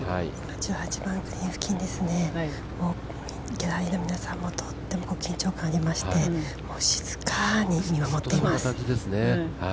１８番、グリーン付近ギャラリーの皆さんもとっても緊張感ありまして静かに見守っています。